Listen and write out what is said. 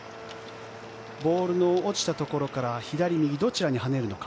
ボールの落ちたところから左、右、どちらに跳ねるのか。